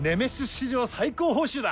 史上最高報酬だ！